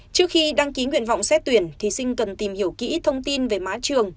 trước khi đăng ký nguyện vọng xét tuyển thí sinh cần tìm hiểu kỹ thông tin về má trường